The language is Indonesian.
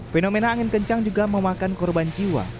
fenomena angin kencang juga memakan korban jiwa